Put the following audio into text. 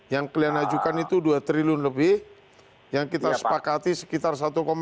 yang kalian ajukan itu dua triliun lebih yang kita sepakati sekitar satu lima